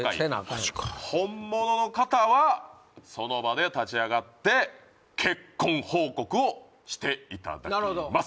マジか本物の方はその場で立ち上がって結婚報告をしていただきます